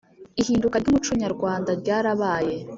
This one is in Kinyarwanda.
“Ihinduka ry’umuco nyarwanda ryarabaye